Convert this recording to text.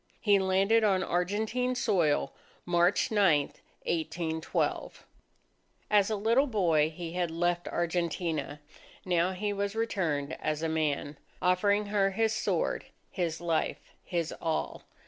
He landed on Argentine soil, March 9, 1812. As a little boy, he had left Argentina. Now he was returned as a man, offering her his sword, his life, his all.